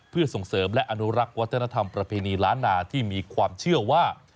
เพื่อส่งเสริมและอนุรักษ์วัฒนธรรมประเพณีล้านนาที่มีความเชื่อว่า